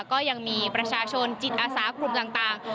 ก็ยังมีประชาชนจิตอาสากลุ่มต่าง